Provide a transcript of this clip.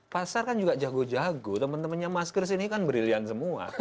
pasar kan juga jago jago temen temennya mas kris ini kan brilliant semua